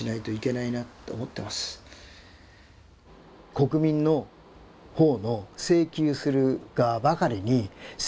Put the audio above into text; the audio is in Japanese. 国民の方の請求する側ばかりに責任を負わせてる。